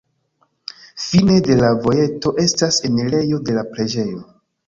Fine de la vojeto estas enirejo de la preĝejo.